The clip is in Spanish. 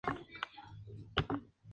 Allí gana una Liga y una Copa del Líbano.